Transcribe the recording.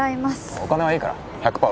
お金はいいから１００パー